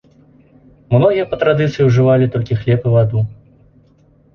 Многія па традыцыі ўжывалі толькі хлеб і ваду.